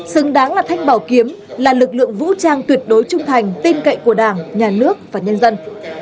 xứng đáng là thanh bảo kiếm là lực lượng vũ trang tuyệt đối trung thành tin cậy của đảng nhà nước và nhân dân